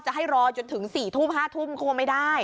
ให้รอจนถึง๔ทุ่ม๕ทุ่มก็คงไม่ได้